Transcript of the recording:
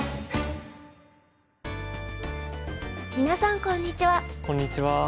皆さんこんにちは。